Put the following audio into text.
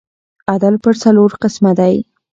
عدل پر څلور قسمه دئ.